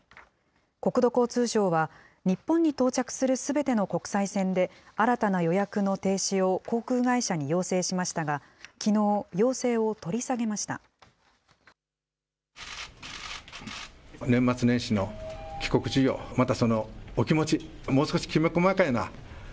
国土交通省は、日本に到着するすべての国際線で、新たな予約の停止を航空会社に要請しましたが、きのう、要請を取り下げました。